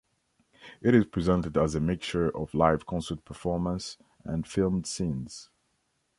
It is presented as a mixture of live concert performance and filmed scenes.